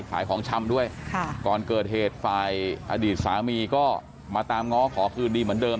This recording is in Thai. ขายของชำด้วยก่อนเกิดเหตุฝ่ายอดีตสามีก็มาตามง้อขอคืนดีเหมือนเดิม